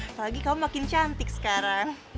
apalagi kau makin cantik sekarang